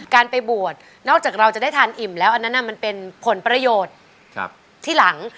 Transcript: การไปบวชนอกจากเราจะได้ทานอิ่มแล้วอันนั้นมันเป็นผลประโยชน์ที่หลัง